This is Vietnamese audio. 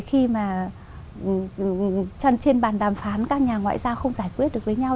khi mà trên bàn đàm phán các nhà ngoại giao không giải quyết được với nhau